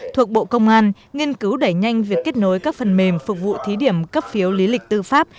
thuộc bộ công an nghiên cứu đẩy nhanh việc kết nối các phần mềm phục vụ thí điểm cấp phiếu lý lịch tư pháp